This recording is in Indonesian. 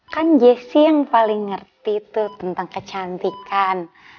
kan jessey yang paling ngerti tuh tentang kecantikan